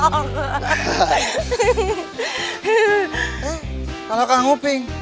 eh kalau kamu ping